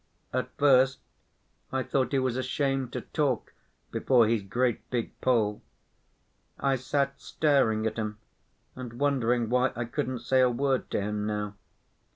At first I thought he was ashamed to talk before his great big Pole. I sat staring at him and wondering why I couldn't say a word to him now.